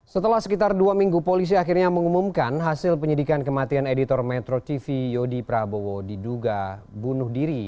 setelah sekitar dua minggu polisi akhirnya mengumumkan hasil penyidikan kematian editor metro tv yodi prabowo diduga bunuh diri